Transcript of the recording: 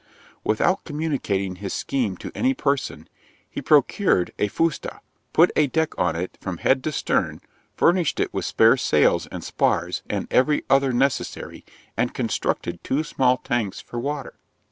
'Without communicating his scheme to any person, he procured a fusta, put a deck on it from head to stern, furnished it with spare sails and spars, and every other necessary, and constructed two small tanks for water.